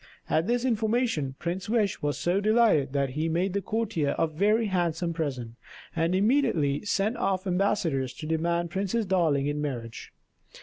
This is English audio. At this information Prince Wish was so delighted that he made the courtier a very handsome present, and immediately sent off ambassadors to demand Princess Darling in marriage.